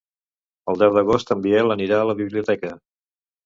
El deu d'agost en Biel anirà a la biblioteca.